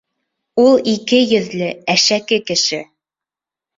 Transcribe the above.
Ул ике йөҙлө, әшәке кеше.